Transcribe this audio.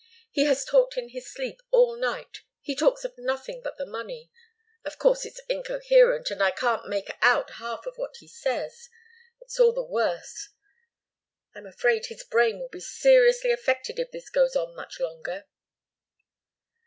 "He has talked in his sleep all night. He talks of nothing but the money. Of course, it's incoherent, and I can't make out half of what he says. It's all the worse. I'm afraid his brain will be seriously affected if this goes on much longer."